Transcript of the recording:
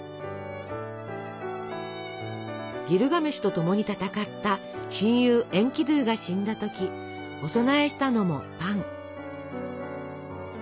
ギルガメシュと共に戦った親友エンキドゥが死んだ時お供えしたのもパン。